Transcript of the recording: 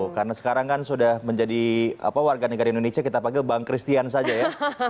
karena sekarang kan sudah menjadi warga negara indonesia kita panggil bang christian saja ya